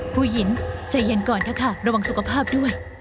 ผู้หญิงใจเย็นก่อนเถอะค่ะระวังสุขภาพด้วย